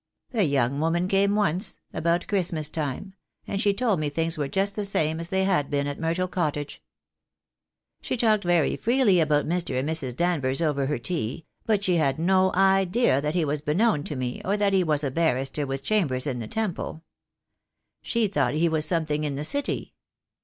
The young woman came once, about Christmas time, and she told me things were just the same as thev had been at Myrtle Cottage. She talked J JO very freely about Mr. and Airs. Danvers over her tea, but she had no idea that he was beknown to me, or that he was a barrister with chambers in the Temple. She thought he was something in the City.